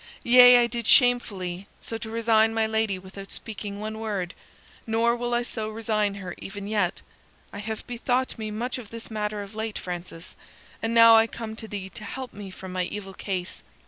Yea, I did shamefully, so to resign my lady without speaking one word; nor will I so resign her even yet. I have bethought me much of this matter of late, Francis, and now I come to thee to help me from my evil case.